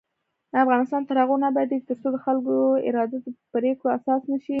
افغانستان تر هغو نه ابادیږي، ترڅو د خلکو اراده د پریکړو اساس نشي.